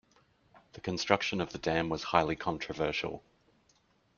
The construction of the dam was highly controversial.